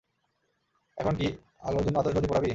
এখন কি আলোর জন্য আতশবাজি পোড়াবি?